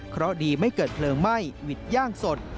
เพราะดีไม่เกิดเพลิงไหม้หวิดย่างสด